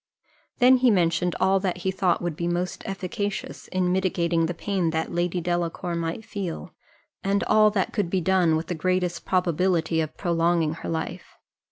Then he mentioned all that he thought would be most efficacious in mitigating the pain that Lady Delacour might feel, and all that could be done, with the greatest probability of prolonging her life.